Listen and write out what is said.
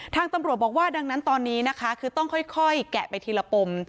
ทางตำรวจบอกว่าดังนั้นตอนนี้นะคะคือต้องค่อยแกะไปทีละปม